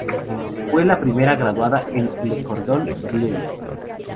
Fue la primera graduada en "Le Cordon Bleu".